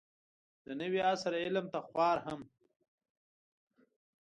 د نوي عصر علم ته خوار هم